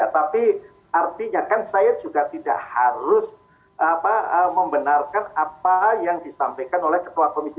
tapi artinya kan saya juga tidak harus membenarkan apa yang disampaikan oleh ketua komisi dua